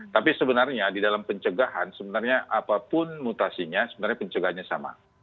tapi sebenarnya di dalam pencegahan sebenarnya apapun mutasinya sebenarnya pencegahannya sama